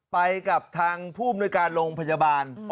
ไปกับทางผู้อำนวยการโรงพยาบาล